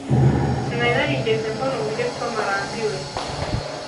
Sinari narigeze mbona uburyo Tom arambiwe.